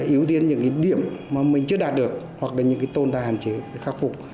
yếu tiên những cái điểm mà mình chưa đạt được hoặc là những cái tôn tài hạn chế để khắc phục